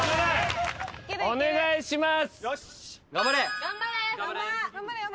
お願いします。